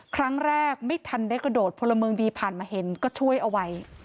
ไม่ทันได้กระโดดพลเมืองดีผ่านมาเห็นก็ช่วยเอาไว้